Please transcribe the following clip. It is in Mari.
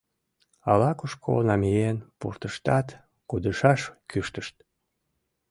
Ала-кушко намиен пуртыштат, кудашаш кӱштышт.